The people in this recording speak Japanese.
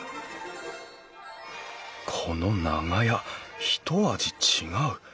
この長屋ひと味違う。